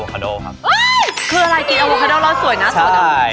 จริงหรอ